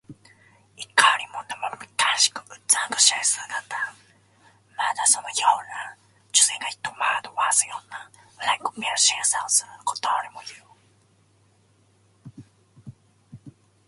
いかにもなまめかしく美しい姿。また、そのような女性が人を惑わすような、笑いこびるしぐさをすることにもいう。